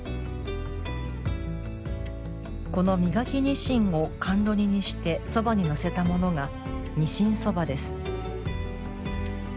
この身欠きにしんを甘露煮にしてそばにのせたものが「にしんそば」です。